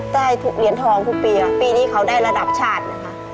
ได้ทุกเหรียญทองทุกปีค่ะปีนี้เขาได้ระดับชาตินะคะ